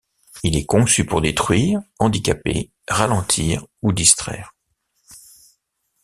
Il est conçu pour détruire, handicaper, ralentir ou distraire.